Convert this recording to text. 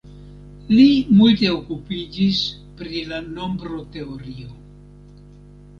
Li multe okupiĝis pri la nombroteorio.